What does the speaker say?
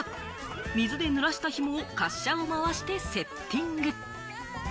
水で濡らしたひもを滑車を回してセッティング。